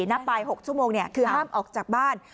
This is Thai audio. นับไป๖ชั่วโมงคือห้ามออกจากบ้าน